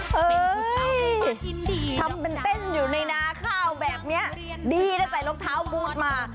ดูสิทำเป็นเต้นอยู่ในนาข้าวแบบนี้ดีนะใส่รองเท้าบูธมา